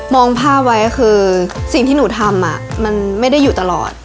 องภาพไว้ก็คือสิ่งที่หนูทำมันไม่ได้อยู่ตลอด